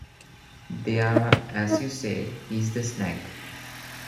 There, as you say, is the snag.